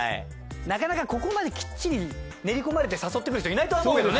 なかなかここまできっちり練り込まれて誘って来る人いないと思うけどね。